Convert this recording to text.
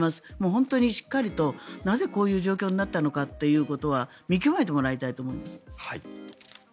本当にしっかりとなぜこういう状況になったのかということは見極めてもらいたいと思います。